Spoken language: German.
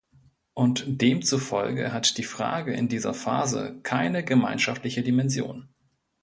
Und demzufolge hat die Frage in dieser Phase keine gemeinschaftliche Dimension.